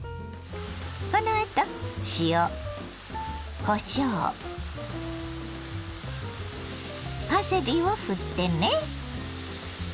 このあと塩こしょうパセリをふってね。